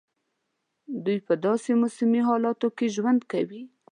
دوی په داسي موسمي حالاتو کې ژوند کوي.